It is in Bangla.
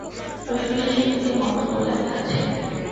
প্রশ্ন শেষে তিনটি মন্তব্য লেখা আছে।